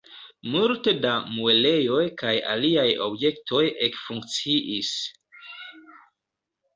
Multe da muelejoj kaj aliaj objektoj ekfunkciis.